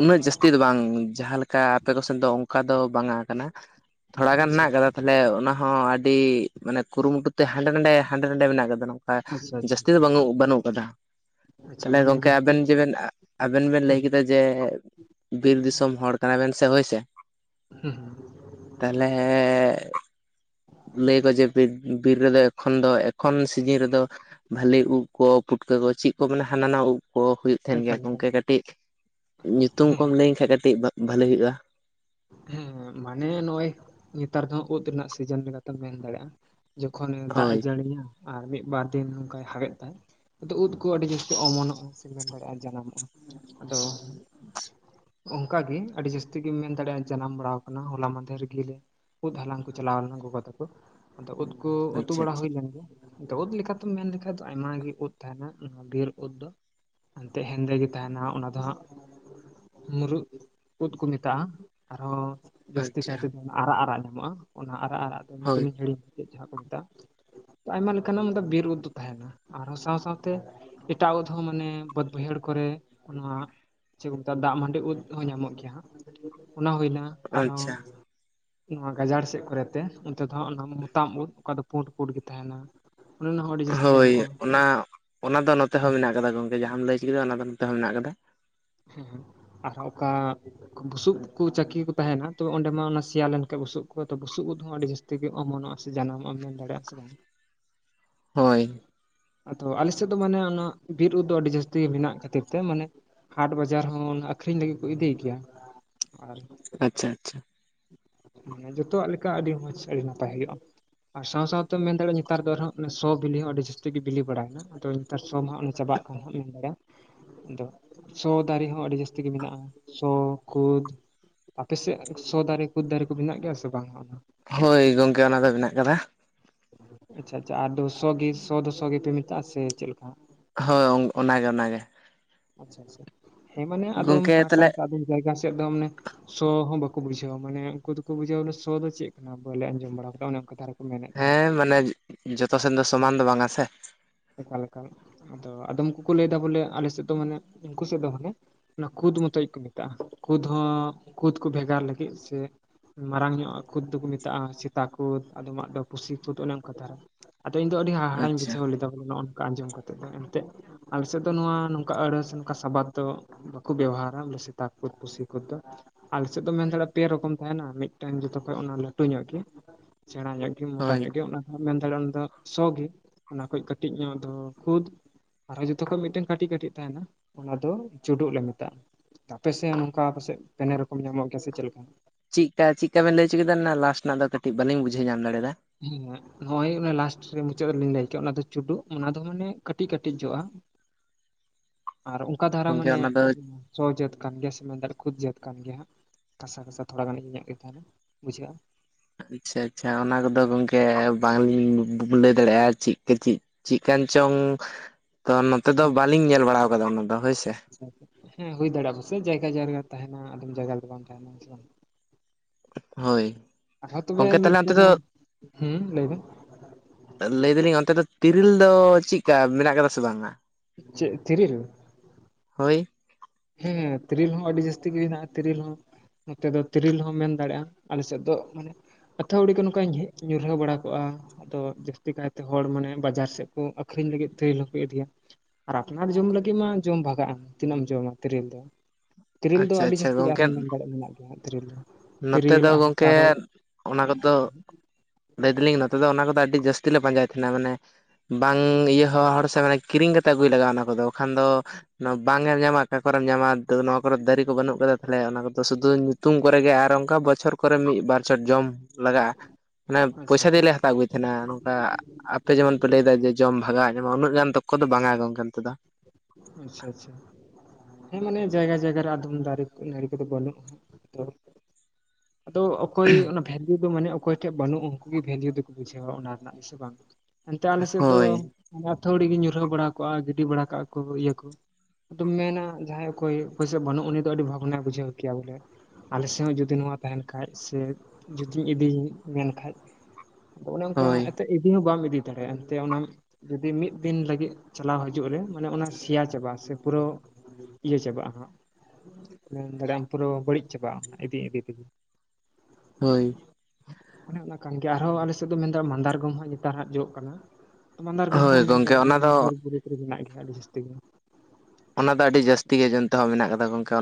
A: ᱩᱱᱟᱹᱜ ᱡᱟᱹᱥᱛᱤ ᱫᱚ ᱵᱟᱝ ᱡᱟᱦᱟᱸ ᱞᱮᱠᱟ ᱟᱯᱮ ᱠᱚ ᱥᱮᱱ ᱫᱚ ᱚᱠᱟ ᱫᱚ ᱵᱟᱝᱟ ᱟᱜ ᱠᱟᱱᱟ ᱛᱷᱚᱲᱟ ᱜᱟᱱ
B: ᱟᱪᱪᱷᱟ
A: ᱦᱮᱱᱟᱜ ᱟᱠᱟᱫᱟ ᱛᱟᱦᱚᱞᱮ ᱚᱱᱟ ᱦᱚᱸ ᱟᱹᱰᱤ ᱢᱟᱱᱮ ᱠᱩᱨᱩᱢᱩᱴᱩ ᱛᱮ ᱦᱟᱸᱰᱮ ᱱᱟᱰᱮ ᱦᱟᱸᱰᱮ ᱱᱟᱰᱮ ᱢᱮᱱᱟᱜ ᱠᱟᱫᱟ ᱱᱚ᱾ ᱟᱨ
B: ᱟᱪᱪᱷᱟ ᱟᱪᱪᱷᱟ ᱟᱪᱪᱷᱟ
A: ᱡᱟᱹᱥᱛᱤ ᱫᱚ ᱵᱟ ᱵᱟᱹᱱᱩᱜ ᱟᱠᱟᱫᱟ᱾
B: ᱟᱪᱪᱷᱟ
A: ᱛᱟᱦᱞᱮ
B: ᱢᱟᱱᱮ
A: ᱜᱚᱝᱠᱮ
B: ᱡᱟᱹᱥᱛᱤ
A: ᱟᱵᱮᱱ ᱡᱮᱵᱮᱱ ᱟᱵᱮᱱ ᱵᱮᱱ ᱞᱟᱹᱭ
B: ᱦᱮᱸ
A: ᱠᱮᱫᱟ ᱡᱮ ᱵᱤᱨ ᱫᱤᱥᱚᱢ ᱦᱚᱲ ᱠᱟᱱᱟ ᱵᱮᱱᱥ ᱦᱳᱭ ᱥᱮᱮ
B: ᱦᱩᱸ ᱦᱩᱸ
A: ᱛᱟᱦᱚᱞᱮ ᱞᱟᱹᱭᱟᱠᱚ ᱡᱮ ᱵᱤᱨ ᱵᱤᱨ ᱨᱮᱫᱚ ᱮᱠᱷᱚᱱ ᱫᱚ ᱮᱠᱷᱚᱱ ᱥᱤᱡᱤᱱ ᱨᱮᱫᱚ ᱵᱟᱹᱞᱤ ᱩᱵ ᱠᱚ ᱯᱩᱴᱠᱟᱹ ᱠᱚ ᱪᱮᱫ ᱠᱚ ᱢᱟᱱᱮ ᱦᱟᱱᱟ ᱱᱟᱭᱟ ᱩᱵ ᱠᱚ ᱦᱩᱭᱩᱜ- ᱛᱟᱦᱮᱱ
B: ᱮᱠᱟᱞ
A: ᱜᱮᱭᱟ
B: ᱮᱠᱟᱞ
A: ᱜᱚᱝᱠᱮ ᱠᱟᱹᱴᱤᱡ ᱧᱩᱛᱩᱢ
B: ᱦᱮᱸ
A: ᱠᱚᱢ ᱞᱟᱹᱭᱟᱹᱤᱧ ᱠᱷᱟᱱᱡ ᱠᱟᱹᱴᱤᱡ ᱵᱟᱹᱞᱮ ᱦᱩᱭᱩᱜᱼᱟ
B: ᱦᱮᱸ ᱢᱟᱱᱮ ᱱᱚᱜ ᱚᱭ ᱱᱮᱛᱟᱨ ᱫᱚ ᱩᱫ ᱨᱮᱱᱟᱜ ᱥᱤᱡᱮᱱ ᱞᱮᱠᱟ ᱛᱮ ᱢᱮᱱ ᱫᱟᱲᱮᱭᱟᱜᱼᱟ ᱡᱚᱠᱷᱚᱱ ᱫᱟᱜ ᱮ
A: ᱦᱳᱭ
B: ᱡᱟᱹᱲᱤᱭᱟ ᱟᱨ ᱢᱤᱫ ᱵᱟᱨ ᱫᱤᱱ ᱚᱱᱠᱟᱭ ᱦᱟᱨᱮᱫ ᱛᱟᱭ ᱟᱫᱚ ᱩᱫ ᱠᱚ ᱟᱹᱰᱤ ᱡᱟᱹᱥᱛᱤ ᱚᱢᱚᱱᱚᱜᱼᱟ ᱥᱮ ᱢᱮᱱ ᱫᱟᱲᱮᱭᱟᱜᱼᱟ ᱡᱟᱱᱟᱢᱚᱜᱼᱟ ᱟᱫᱚ ᱚᱱᱠᱟ ᱜᱮ ᱟᱹᱰᱤ ᱡᱟᱹᱥᱛᱤ ᱜᱮᱢ ᱢᱮᱱ [unintelligible] ᱡᱟᱱᱟᱢ ᱵᱟᱲᱟ ᱟᱠᱟᱱᱟ ᱦᱚᱞᱟ ᱢᱥᱫᱷᱮᱨ ᱨᱮᱜᱮ ᱩᱫ ᱦᱟᱞᱟᱝ ᱠᱚ ᱪᱟᱞᱟᱣ ᱞᱮᱱᱟ ᱜᱚᱜᱚ ᱛᱟᱠᱚ ᱩᱫ ᱠᱚ ᱩᱛᱩ
A: ᱟᱪᱪᱷᱟ
B: ᱵᱟᱲᱟ
A: ᱟᱪᱪᱷᱟ
B: ᱦᱩᱭ ᱞᱮᱟᱱ ᱜᱮᱭ? ᱩᱫ ᱞᱮᱠᱟ ᱞᱮᱠᱟᱛᱮᱢ ᱢᱮᱱ ᱞᱮᱠᱷᱟᱡ ᱫᱚ ᱟᱭᱢᱟ ᱜᱮ ᱩᱫ ᱛᱟᱦᱮᱱᱟ ᱵᱤᱨ ᱩᱫ ᱫᱚ᱾ ᱮᱱᱛᱜ ᱦᱮᱸᱫᱮ ᱜᱮ ᱛᱟᱦᱮᱱᱟ, ᱚᱱᱟ ᱫᱚ ᱦᱟᱸᱜ ᱢᱩᱨᱩᱫ ᱩᱫ ᱠᱚ ᱢᱮᱛᱟᱜᱼᱟ᱾ ᱟᱨᱦᱚᱸ ᱡᱟᱹᱥᱛᱤ
A: ᱟᱪᱪᱷᱟ
B: ᱠᱟᱭ ᱛᱮᱫᱚ ᱟᱨᱟᱜ ᱟᱨᱟᱜ ᱧᱟᱢᱚᱜᱼᱟ ᱚᱱᱟ ᱟᱨᱟᱜ ᱟᱨᱟᱜ ᱫᱚ
A: ᱦᱳᱭ
B: ᱧᱩᱛᱩᱢ ᱤᱧ ᱦᱤᱲᱤᱧ ᱪᱮᱫ ᱡᱟᱦᱟᱸ ᱠᱚ ᱢᱮᱛᱟᱜᱼᱟ ᱟᱭᱢᱟ ᱞᱮᱠᱟᱱᱟᱜ ᱵᱤᱨ ᱩᱫᱽᱫ ᱛᱟᱦᱮᱱᱟ ᱟᱨᱦᱚᱸ ᱥᱟᱶ ᱥᱟᱶᱛᱮ ᱮᱴᱟᱜ ᱩᱫ ᱫᱚ ᱢᱟᱱᱮ ᱵᱟᱹᱫᱽ ᱵᱟᱹᱭᱦᱟᱹᱲ ᱠᱚᱨᱮ ᱚᱱᱟ ᱪᱮᱫ ᱠᱚ ᱢᱮᱛᱟᱜ ᱫᱟᱜ ᱢᱟᱹᱰᱤ ᱩᱫ ᱦᱚᱸ ᱧᱟᱢᱚᱜ ᱜᱮᱭᱟ ᱚᱱᱟ ᱦᱩᱭᱱᱟ ᱟᱨᱦᱚᱸ
A: ᱟᱪᱪᱷᱟ
B: ᱱᱚᱣᱟ ᱜᱟᱡᱟᱲ ᱥᱮᱫ ᱠᱚᱨᱮᱛᱮ ᱚᱱᱛᱮ ᱫᱚ ᱦᱟᱸ ᱚᱱᱟ ᱢᱚᱛᱟᱢ ᱩᱫ ᱚᱠᱟ ᱫᱚ ᱯᱩᱸᱰ ᱯᱩᱸᱰ ᱜᱮ ᱛᱟᱦᱮᱱᱟ ᱚᱱᱮ ᱚᱱᱟ ᱦᱚᱸ ᱟᱹᱰᱤ ᱡᱟᱹᱥᱛᱤ ᱧᱟᱢᱚᱜᱼᱟ
A: ᱦᱳᱭ ᱚᱱᱟ ᱚᱱᱟ ᱫᱚ ᱱᱚᱛᱮ
B: ᱦᱩᱸ
A: ᱦᱚᱸ ᱢᱮᱱᱟᱜ ᱟᱠᱟᱫᱟ ᱜᱚᱝᱠᱮ ᱡᱟᱦᱟᱸᱟᱢ ᱞᱟᱹᱭᱪ ᱠᱮᱫᱟ ᱚᱱᱟ ᱫᱚ ᱱᱚᱛᱮ ᱦᱚᱸ ᱢᱮᱱᱟᱜ ᱟᱠᱟᱫᱟ
B: ᱦᱮᱸ ᱟᱨ ᱚᱠᱟ ᱵᱩᱥᱩᱵ ᱩᱱᱠᱩ ᱪᱟᱹᱠᱤ ᱠᱚ ᱛᱟᱦᱮᱱᱟ ᱛᱚᱵᱮ ᱚᱸᱰᱮ ᱢᱟ ᱚᱱᱟ ᱥᱮᱭᱟ ᱞᱮᱱ ᱠᱷᱟᱱ ᱵᱩᱥᱩᱵ ᱠᱚ ᱛᱚ ᱵᱩᱥᱩᱵ ᱩᱫ ᱦᱚᱸ ᱟᱹᱰᱤ ᱡᱟᱹᱥᱛᱤ ᱜᱮ ᱚᱢᱚᱱᱚᱜᱼᱟ ᱥᱮ ᱡᱟᱱᱟᱢᱚᱜ ᱮᱢ ᱢᱮᱱ ᱫᱟᱲᱮᱭᱟᱜᱼᱟ ᱥᱮ ᱵᱟᱝ
A: ᱦᱳᱭ
B: ᱟᱫᱚ ᱟᱞᱮ ᱥᱮᱫ ᱫᱚ ᱢᱟᱱᱮ ᱚᱱᱟ ᱵᱤᱨ ᱩᱫ ᱫᱚ ᱟᱹᱰᱤ ᱡᱟᱹᱥᱛᱤ ᱢᱮᱱᱟᱜ ᱠᱷᱟᱹᱛᱤᱨ ᱛᱮ ᱢᱟᱱᱮ ᱦᱟᱴ ᱵᱟᱡᱟᱨ ᱦᱚᱸ ᱟᱹᱠᱷᱨᱤᱧ ᱞᱟᱹᱜᱤᱫ ᱠᱚ ᱤᱫᱤᱭ ᱜᱮᱭᱟ ᱟᱨ
A: ᱟᱪᱪᱷᱟ ᱟᱪᱪᱷᱟ
B: ᱡᱚᱛᱚᱣᱟᱜ ᱞᱮᱠᱟ ᱟᱹᱰᱤ ᱢᱚᱡᱽ ᱟᱹᱰᱤ ᱱᱟᱯᱟᱭ ᱦᱩᱭᱩᱜᱼᱟ᱾ ᱟᱨ ᱥᱟᱶ ᱥᱟᱶᱛᱮᱢ ᱢᱮᱱ ᱫᱟᱲᱮᱭᱟᱜᱼᱟ ᱱᱮᱛᱟᱨ ᱫᱚ ᱟᱨᱦᱚᱸ ᱥᱚ ᱵᱤᱞᱤ ᱦᱚᱸ ᱟᱹᱰᱤ ᱡᱟᱹᱥᱛᱤ ᱜᱮ ᱵᱤᱞᱤ ᱵᱟᱲᱟᱭᱮᱱᱟ ᱟᱫᱚ᱾ ᱟᱨ ᱥᱚ ᱢᱟᱦᱟᱸᱜ ᱪᱟᱵᱟᱜ ᱠᱟᱱ ᱮᱢ [unintelligible] ᱟᱫᱚ ᱥᱚ ᱫᱟᱨᱮ ᱦᱚᱸ ᱟᱹᱰᱤ ᱡᱟᱹᱥᱛᱤ ᱜᱮ ᱢᱮᱱᱟᱜᱼᱟ ᱥᱚ ᱠᱷᱫᱽ ᱟᱯᱮᱥᱮᱫ ᱥᱚ ᱫᱟᱨᱮ ᱠᱩᱫ ᱫᱟᱨᱮ ᱠᱚ ᱢᱮᱱᱟᱜ ᱜᱮᱭᱟ ᱥᱮ ᱵᱟᱝ ᱚᱱᱟ
A: ᱦᱳᱭ ᱜᱚᱝᱠᱮ ᱚᱱᱟ ᱫᱚ ᱢᱮᱱᱟᱜ ᱟᱠᱟᱫᱟ
B: ᱟᱪᱪᱷᱟ ᱟᱪᱪᱷᱟ ᱟᱨ ᱫᱚ ᱥᱚ ᱜᱮ ᱥᱚ ᱫᱚ ᱥᱚ ᱜᱮᱯᱮ ᱢᱮᱛᱟᱜᱼᱟ ᱥᱮ ᱪᱮᱫ ᱞᱮᱠᱟ
A: ᱦᱳᱭ ᱚᱱᱟᱜᱮ ᱚᱱᱟᱜᱮ
B: ᱟᱪᱪᱷᱟ ᱟᱪᱪᱷᱟ ᱦᱮᱸ ᱢᱟᱱᱮ ᱟᱫᱚᱢ
A: ᱜᱚᱝᱠᱮ
B: ᱯᱟᱦᱴᱟ
A: ᱛᱟᱦᱞᱮ
B: ᱥᱮ ᱟᱫᱚᱢ ᱡᱟᱭᱜᱟ ᱥᱮᱫ ᱫᱚ ᱢᱮ ᱥᱚ ᱦᱚᱸ ᱵᱟᱠᱚ ᱵᱩᱡᱷᱟᱹᱣᱟ ᱢᱟᱱᱮ ᱩᱱᱠᱩ ᱫᱚᱠᱚ ᱵᱩᱡᱷᱟᱹᱣᱟᱮ ᱥᱚ ᱫᱚ ᱪᱮᱫ ᱠᱟᱱᱟ ᱵᱟᱞᱮ ᱟᱸᱡᱚᱢ ᱵᱟᱲᱟᱫᱟ ᱚᱱᱮ ᱚᱱᱠᱟ ᱢᱮᱱᱮ ᱠᱟᱱ
A: ᱦ ᱢᱟᱱᱮ ᱡᱚᱛᱚ ᱥᱮᱱ ᱫᱚ ᱥᱚᱢᱟᱱ ᱫᱚ ᱵᱟᱝᱟ ᱥᱮ᱾
B: ᱪᱮᱠᱟᱞᱮᱠᱟ ᱟᱫᱚ ᱟᱫᱚᱢ ᱠᱚᱠᱚ ᱞᱟᱹᱭ ᱮᱫᱟ ᱵᱚᱞᱮ ᱟᱞᱮ ᱥᱮᱫ ᱫᱚ ᱢᱟᱱᱮ ᱩᱱᱠᱩ ᱥᱮᱫ ᱫᱚ ᱢᱟᱱᱮ ᱚᱱᱟ ᱠᱩᱫᱽ ᱢᱚᱛᱚᱡ ᱠᱚ ᱢᱮᱛᱟᱜᱼᱟ ᱠᱩᱫᱽ ᱦᱚᱸ ᱠᱩᱫᱽ ᱠᱚ ᱵᱷᱮᱜᱟᱨ ᱞᱟᱹᱜᱤᱫ ᱥᱮ ᱢᱟᱨᱟᱝ ᱧᱚᱜᱼᱟ ᱠᱩᱫ ᱫᱚᱠᱚ ᱢᱮᱛᱟᱜᱼᱟ ᱥᱮᱛᱟ ᱠᱩᱫ ᱟᱫᱚᱢᱟᱜ ᱫᱚ ᱯᱩᱥᱤ [unintelligible] ᱠᱟ ᱛᱷᱟᱨᱟ ᱟᱫᱚ ᱤᱧ ᱫᱚ ᱟᱹᱰᱤ ᱦᱟᱦᱟᱲᱟᱧ
A: ᱟᱪᱪᱷᱟ
B: ᱵᱩᱡᱷᱟᱹᱣ ᱞᱮᱫᱟ ᱵᱚᱞᱮ ᱱᱚᱜᱼᱚ ᱱᱚᱝᱠᱟ ᱟᱸᱡᱚᱢ ᱠᱟᱛᱮᱫ ᱫᱚ ᱮᱱᱮᱫ ᱟᱞᱮ ᱥᱮᱫ ᱫᱚ ᱱᱚᱣᱟ ᱱᱚᱝᱠᱟ ᱟᱹᱲᱟᱹ ᱥᱮ ᱱᱚᱝᱠᱟ ᱥᱟᱵᱟᱫ ᱫᱚ ᱵᱟᱠᱚ ᱵᱮᱣᱦᱟᱨᱟ ᱥᱮᱛᱟ ᱠᱚ ᱯᱩᱥᱤ ᱠᱚᱫᱚ ᱟᱞᱮᱥᱮᱫ ᱫᱚ ᱢᱮᱱ ᱫᱟᱲᱮᱭᱟᱜᱼᱟ ᱯᱮ ᱨᱚᱠᱚᱢ ᱛᱟᱦᱮᱱᱟ ᱢᱤᱫᱴᱮᱱ ᱡᱚᱛᱚᱠᱷᱚᱡ ᱚᱱᱟ ᱞᱟᱹᱴᱩ ᱧᱚᱜ ᱜᱮ ᱥᱮᱬᱟ ᱧᱚᱜ ᱜᱮ
A: ᱦᱳᱭ
B: ᱛᱟᱦᱚᱞᱮ ᱜᱮ ᱚᱱᱟ ᱠᱚ ᱢᱮᱱ ᱫᱟᱲᱮ ᱚᱱᱟ ᱫᱚ ᱥᱚ ᱜᱮ ᱚᱱᱟ ᱠᱷᱚᱱ ᱠᱟᱹᱴᱤᱡ ᱧᱚᱜ ᱫᱚ ᱠᱷᱩᱫ ᱟᱨᱚᱸ ᱡᱚᱛᱚᱠᱷᱚᱡ ᱢᱤᱫᱴᱮᱱ ᱠᱟᱹᱴᱤᱡ ᱠᱟᱹᱴᱤᱡ ᱛᱟᱦᱮᱱᱟ ᱚᱱᱟ ᱫᱚ ᱪᱩᱰᱩᱜ ᱞᱮ ᱢᱮᱛᱟᱜᱼᱟ ᱛᱚ ᱟᱯᱮᱥᱮᱫ ᱱᱚᱝᱠᱟ ᱯᱟᱥᱮᱫ ᱯᱮᱱᱮ ᱨᱚᱠᱚᱢ ᱧᱟᱢᱚᱜ ᱜᱮᱭᱟ ᱥᱮ ᱪᱮᱫ ᱞᱮᱠᱟ
A: ᱪᱮᱫᱠᱟ ᱪᱮᱫᱠᱟ ᱵᱮᱱ ᱞᱟᱹᱭ ᱪᱩ ᱠᱮᱫᱟ ᱚᱱᱟ ᱞᱟᱥᱴ ᱨᱮᱱᱟᱜ ᱫᱚ ᱠᱟᱹᱴᱤᱡ ᱵᱟᱞᱤᱧ ᱵᱩᱡᱷᱟᱹᱣ ᱧᱟᱢ ᱫᱟᱲᱮᱭᱟᱫᱟ
B: ᱦᱮᱸ ᱱᱚᱜ ᱚᱚᱭ ᱚᱱ ᱞᱟᱥᱴ ᱨᱮ ᱢᱩᱪᱟᱹᱫ ᱨᱮ ᱞᱤᱧ ᱞᱟᱹᱭᱠᱮᱜ ᱚᱱᱟ ᱫᱚ ᱪᱩᱰᱩ ᱚᱱᱟ ᱫᱚ ᱢᱟᱱᱮ ᱠᱟᱹᱴᱤᱡ ᱠᱟᱹᱴᱤᱡ ᱡᱚᱜᱼᱟ ᱟᱨ ᱚᱱᱠᱟ ᱫᱷᱟᱨᱟ
A: ᱜᱚᱝᱠᱮ
B: ᱢᱟᱱᱮ
A: ᱚᱱᱟ ᱫᱚ
B: ᱥᱚ ᱡᱮᱫ ᱠᱟᱱ ᱜᱮᱭᱟ ᱥᱚᱢᱫᱟᱨ ᱠᱷᱩᱫ ᱡᱛ ᱠᱟᱱᱟᱱ ᱜᱮᱭᱟ ᱠᱟᱥᱟ ᱠᱟᱥᱟ ᱛᱷᱚᱲᱟ ᱜᱟᱱ ᱤᱭᱟᱹ ᱧᱚᱜ ᱜᱮ ᱛᱟᱦᱮᱱᱟ ᱵᱩᱡᱷᱟᱹᱜᱼᱟ
A: ᱟᱪᱪᱷᱟ ᱟᱪᱪᱷᱟ ᱚᱱᱟ ᱠᱚᱫᱚ ᱜᱚᱝᱠᱮ ᱵᱟᱝᱞᱤᱧ ᱞᱟᱹᱭ ᱫᱟᱲᱮᱭᱟᱜᱼᱟ ᱪᱮᱫ ᱠᱚᱮ ᱪᱮᱫ ᱪᱮᱫ ᱠᱟᱱ ᱪᱚᱝ ᱛᱚ ᱱᱚᱛᱮ ᱫᱚ ᱵᱟᱞᱤᱧ ᱧᱮᱞ ᱵᱟᱲᱟ ᱟᱠᱟᱫᱟ ᱚᱱᱟ ᱫᱚ ᱦᱳᱭᱥᱮ
B: ᱦᱮᱸ ᱦᱩᱭ ᱫᱟᱲᱮᱭᱟᱜᱼᱟ ᱯᱟᱥᱮᱜ ᱡᱟᱭᱜᱟ ᱡᱟᱭᱜᱟ ᱛᱟᱦᱮᱱᱟ ᱟᱫᱚᱢ ᱡᱟᱭᱜᱟ ᱫᱚ ᱵᱟᱝ ᱛᱟᱦᱮᱱᱟ ᱵᱟᱝ
A: ᱦᱳᱭ
B: ᱟᱨᱦᱚᱸ ᱛᱚᱵᱮ
A: ᱜᱚᱝᱠᱮ ᱛᱟᱦᱚᱞᱮ ᱚᱱᱛᱮ
B: ᱢᱤᱫᱴᱮᱱ
A: ᱫᱚ
B: ᱦᱚᱸ ᱦᱩᱸ ᱞᱟᱹᱭ ᱵᱮᱱ
A: ᱞᱟᱹᱭ ᱫᱟᱞᱤᱧ ᱚᱱᱛᱮ ᱫᱚ ᱛᱤᱨᱤᱞ ᱫᱚ ᱪᱮᱫᱠᱟ ᱢᱮᱱᱟᱜ ᱠᱟᱫᱟ ᱥᱮ ᱵᱟᱝᱟ
B: ᱪᱮᱸ ᱛᱤᱨᱤ ᱨᱮ
A: ᱦᱳᱭ
B: ᱦᱮᱸ ᱛᱤᱨᱤᱞ ᱦᱚᱸ ᱟᱹᱰᱤ ᱡᱟᱹᱥᱛᱤ ᱜᱮ ᱢᱮᱱᱟᱜᱼᱟ ᱛᱤᱨᱤᱞ ᱦᱚᱸ ᱱᱚᱛᱮ ᱫᱚ ᱛᱤᱨᱤᱞ ᱦᱚᱸᱢ ᱢᱮᱱ ᱫᱟᱲᱮᱭᱟᱜᱼᱟ ᱟᱞᱮᱥᱮᱫ ᱫᱚ ᱢᱟᱱᱮ ᱟᱛᱷᱟᱣᱲᱤ ᱠᱚ ᱱᱚᱝᱠᱟᱧ ᱧᱩᱨᱦᱟᱹ ᱵᱟᱲᱟ ᱠᱚᱜᱼᱟ ᱟᱫᱚ ᱡᱟᱹᱥᱛᱤ ᱠᱟᱭᱛᱮ ᱦᱚᱲ ᱢᱟᱱᱮ ᱵᱟᱡᱟᱨ ᱥᱮᱫ ᱠᱚ ᱟᱠᱷᱨᱤᱧ ᱞᱟᱹᱜᱤᱫ ᱛᱮᱤᱨᱞ ᱦᱚᱠᱚ ᱤᱫᱤᱭᱟ ᱟᱨ ᱟᱯᱱᱟᱨ ᱡᱚᱢ ᱞᱟᱹᱜᱤᱫ ᱢᱟ ᱡᱚᱢ ᱵᱷᱟᱜᱟᱜᱼᱟ ᱛᱤᱱᱟᱹᱜ ᱮᱢ ᱡᱚᱢᱟ ᱛᱤᱨᱤᱞ ᱫᱚ ᱛᱤᱨᱤᱞ ᱫᱚ
A: ᱟᱪᱪᱷᱟ
B: ᱟᱹᱰᱤ
A: ᱟᱪᱪᱷᱟ
B: ᱡᱟᱹᱥᱛᱤ ᱜᱮ
A: ᱜᱚᱝᱠᱮ
B: ᱟᱨᱦᱚᱸ ᱢᱮᱱ ᱫᱟᱲᱮ ᱢᱮᱱᱟᱜ ᱜᱮᱭᱟ ᱛᱤᱨᱤᱞ ᱫᱚ
A: ᱱᱚᱛᱮ
B: ᱛᱤᱨᱤᱞ
A: ᱫᱚ
B: ᱟᱨᱦᱚᱸ
A: ᱜᱚᱝᱠᱮ
B: ᱛᱟᱨᱚᱵ
A: ᱚᱱᱟ ᱠᱚᱫᱚ ᱞᱟᱹᱭ ᱫᱟᱞᱤᱧ ᱱᱚᱛᱮ ᱱᱚ ᱚᱱᱟ ᱠᱚᱫᱚ ᱟᱹᱰᱤ ᱡᱟᱹᱥᱛᱤ ᱞᱮ ᱯᱟᱸᱡᱟᱭᱮᱫ ᱛᱟᱦᱮᱱᱟ ᱢᱟᱱᱮ ᱵᱟᱝ ᱤᱭᱟᱹ ᱦᱚᱸᱣᱟ ᱦᱚᱲ ᱥᱮ ᱢᱟᱱᱮ ᱠᱤᱨᱤᱧ ᱠᱟᱛᱮ ᱟᱹᱜᱩᱭ ᱞᱟᱜᱟᱜᱼᱟ ᱚᱱᱟ ᱠᱚᱫᱚ ᱵᱟᱠᱷᱟᱱ ᱫᱚ ᱵᱟᱝ ᱮᱢ ᱧᱟᱢᱟ ᱚᱠᱟ ᱠᱚᱨᱮᱢ ᱧᱟᱢᱟ ᱱᱚᱣᱟ ᱠᱚᱨᱮ ᱫᱟᱨᱮᱤ ᱠᱚ ᱵᱟᱹᱱᱩᱜ ᱟᱠᱟᱫᱟ ᱛᱟᱞᱮ ᱚᱱᱟ ᱠᱚᱫᱚ ᱥᱩᱫᱷᱩ ᱧᱩᱛᱩᱢ ᱠᱚᱨᱮ ᱜᱮ ᱟᱨ ᱚᱱᱠᱟ ᱵᱚᱪᱷᱚᱨ ᱠᱚᱨᱮ ᱢᱤᱫ ᱵᱟᱨ ᱪᱚᱴ ᱡᱚᱢ ᱞᱟᱜᱟᱜᱼᱟ ᱢᱮ
B: ᱟᱪᱪᱷᱟ
A: ᱯᱚᱭᱟ
B: ᱟᱪᱪᱷᱟ
A: ᱛᱮᱞᱮ ᱦᱟᱛᱟᱣ ᱟᱹᱜᱩᱭ ᱛᱟᱦᱮᱱᱟ ᱱᱚᱝᱠᱟ ᱟᱯᱮ ᱡᱮᱢᱚᱱ ᱯᱮ ᱞᱟᱹᱭᱮᱫᱟ ᱡᱮ ᱡᱚᱢ ᱵᱷᱟᱜᱟᱣ ᱧᱟᱢᱟ ᱩᱱᱟᱹᱜ ᱜᱟᱱ ᱛᱚᱠᱠᱚ ᱫᱚ ᱵᱟᱝᱟ ᱵᱟᱝᱠᱮ ᱱᱚᱛᱮ ᱫᱚ
B: ᱟᱪᱪᱷᱟ ᱟᱪᱪᱷᱟ ᱦᱮᱸ ᱢᱟᱱᱮ ᱡᱟᱭᱜᱟ ᱡᱟᱭᱜᱟ ᱨᱮ ᱟᱫᱚᱢ ᱫᱟᱨᱮ ᱱᱟᱹᱲᱤ ᱠᱚᱫᱚ ᱵᱟᱹᱱᱩᱜᱼᱟ ᱛᱚ ᱟᱫᱚ ᱚᱠᱚᱭ ᱚᱱᱟ ᱵᱷᱮᱞᱤᱭᱩ ᱫᱚ ᱢᱟᱱᱮ ᱚᱠᱚᱭ ᱴᱷᱮᱡ ᱵᱟᱹᱱᱩᱜ ᱩᱱᱠᱩ ᱜᱮ ᱵᱷᱮᱞᱤᱭᱩ ᱫᱚᱠᱚ ᱵᱩᱡᱷᱟᱹᱣᱟ ᱚᱱᱟ ᱨᱮᱱᱟᱜᱤᱥᱮ ᱵᱟᱝ ᱮᱱᱛᱮ ᱟᱞᱮᱥᱮᱫ ᱫᱚ
A: ᱦᱳᱭ
B: ᱟᱹᱛᱷᱹᱲᱤ ᱜᱮ ᱧᱩᱨᱦᱟᱹ ᱵᱟᱲᱟ ᱠᱟᱜᱼᱟ ᱜᱤᱰᱤ ᱵᱟᱲᱟ ᱠᱟᱜᱼᱟ ᱠᱚ ᱤᱭᱟᱹ ᱠᱚ ᱟ ᱢᱮᱱᱟ ᱡᱟᱦᱟᱸᱭ ᱚᱠᱚᱭ ᱚᱠᱚᱭ ᱥᱮᱜ ᱵᱟᱹᱱᱩᱜ ᱩᱱᱤ ᱫᱚ ᱟᱹᱰᱤ ᱵᱷᱚᱜᱽᱱᱟᱭ ᱵᱩᱡᱷᱟᱹᱣ ᱠᱮᱭᱟ ᱵᱚᱞᱮ ᱟᱞᱮ ᱥᱮᱫ ᱦᱚᱸ ᱡᱩᱫᱤ ᱱᱚᱣᱟ ᱛᱟᱦᱮᱱ ᱠᱷᱟᱡ ᱥᱮ ᱡᱩᱫᱤᱧ ᱤᱫᱤ ᱢᱮᱱᱠᱟᱱᱡ ᱟᱫᱚ ᱚᱱᱮ ᱚᱱᱠᱟ
A: ᱦᱳᱭ
B: ᱮᱱᱛᱮᱫ ᱤᱫᱤ ᱦᱚᱸ ᱵᱟᱢ ᱤᱫᱤ ᱫᱟᱲᱮᱭᱟᱜᱼᱟ ᱮᱱᱛᱮ ᱚᱱᱟ ᱡᱚᱫᱤ ᱢᱤᱫ ᱫᱤᱱ ᱞᱟᱹᱜᱤᱫ ᱪᱟᱞᱟᱣ ᱦᱤᱡᱩᱜ ᱨᱮ ᱢᱟᱱᱮ ᱚᱱᱟ ᱥᱮᱭᱟ ᱪᱟᱵᱟ ᱥᱮ ᱯᱩᱨᱟᱹ ᱤᱭᱟᱹ ᱪᱟᱵᱟᱜᱼᱟ ᱦᱟᱸᱜ ᱢᱮᱱ ᱫᱟᱲᱮᱭᱟᱜᱼᱟᱢ ᱯᱩᱨᱟᱹ ᱵᱟᱹᱲᱤᱡ ᱪᱟᱵᱟᱜᱼᱟ ᱤᱫᱤ ᱤᱫᱤ ᱛᱮᱜᱮ
A: ᱦᱳᱭ
B: ᱚᱱᱮ ᱚᱱᱟ ᱠᱟᱱ ᱜᱮᱭᱟ ᱟᱨᱦᱚᱸ ᱟᱞᱮ ᱥᱮᱫ ᱫᱚ ᱢᱮᱱᱫᱟ ᱢᱟᱫᱟᱨᱜᱚᱢ ᱱᱮᱛᱟᱨᱟᱜ ᱡᱚᱜ ᱠᱟᱱᱟ ᱢᱟᱫᱟᱨᱠᱚᱢ
A: ᱦᱳᱭ
B: ᱦᱚᱸ ᱢᱮᱱ
A: ᱜᱚᱝᱠᱮ
B: ᱫᱟᱲᱮᱭᱟᱜᱼᱟ
A: ᱚᱱᱟ ᱫᱚ
B: ᱱᱚᱣᱟ ᱵᱤᱨᱼᱵᱩᱨᱩ ᱠᱚᱨᱮ ᱢᱮᱱᱟᱜ ᱜᱮᱭᱟ ᱟᱹᱰᱤ ᱡᱟᱹᱥᱛᱤ ᱜᱮ
A: ᱚᱱᱟ ᱫᱚ ᱟᱹᱰᱤ ᱡᱟᱹᱥᱛᱤ ᱜᱮ ᱡᱚᱱᱛᱮᱚ ᱦᱚᱸ ᱢᱮᱱᱟᱜ ᱟᱠᱟᱫᱟ ᱜᱚᱝᱠᱮ